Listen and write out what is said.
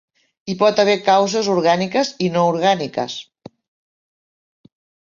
Hi pot haver causes orgàniques i no orgàniques.